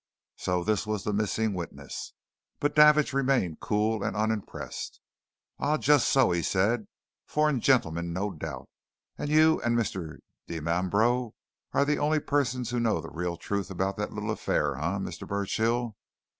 So this was the missing witness! But Davidge remained cool and unimpressed. "Ah, just so!" he said. "Foreign gentleman, no doubt. And you and Mr. Dimambro are the only persons who know the real truth about that little affair, eh, Mr. Burchill.